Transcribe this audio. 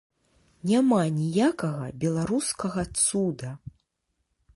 Няма ніякага беларускага цуда.